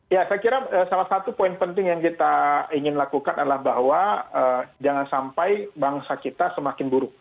ya saya kira salah satu poin penting yang kita ingin lakukan adalah bahwa jangan sampai bangsa kita semakin buruk